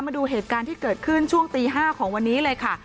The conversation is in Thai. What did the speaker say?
มาดูเหตุการณ์ที่เกิดขึ้นช่วงตี๕ของวันนี้เลยค่ะ